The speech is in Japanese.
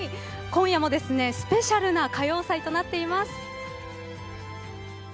今夜もスペシャルな「歌謡祭」となっています。